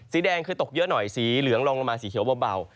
สีแดงคือตกเยอะหน่อยสีเหลืองลองลงมาสีเขียวเบา